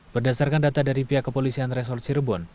berdasarkan data dari pihak kepolisian resort cirebon